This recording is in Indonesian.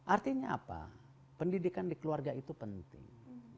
artinya apa pendidikan di keluarga itu penting